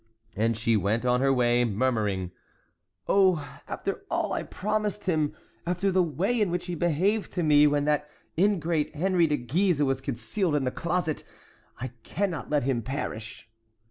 And she went on her way, murmuring: "Oh, after all I promised him—after the way in which he behaved to me when that ingrate, Henry de Guise, was concealed in the closet—I cannot let him perish!"